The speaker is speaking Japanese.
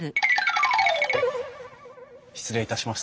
失礼いたしました。